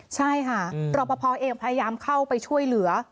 ใช่หรอกฮะรอบพระพอเองพยายามเข้าไปช่วยเหลือ